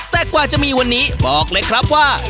แต่กว่าจะมีวันนี้บอกเลยครับว่า